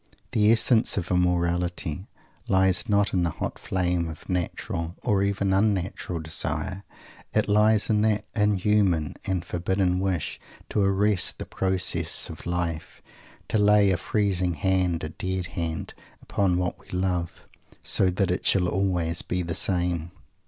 The essence of immorality lies not in the hot flame of natural, or even unnatural, desire. It lies in that inhuman and forbidden wish to arrest the processes of life to lay a freezing hand a dead hand upon what we love, so that it _shall always be the same.